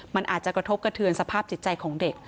มันอาจจะกระทบกระเทือนสภาพจิตใจของเด็ก